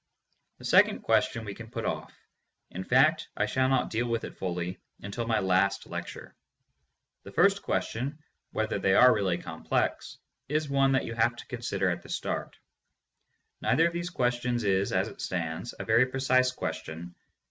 The second question we can put off ; in fact, I shall not deal with it fully until my last lecture. The first question, whether they are really complex, is one that you have to consider at the start. Neither of these questions is, as it stands, a very precise question.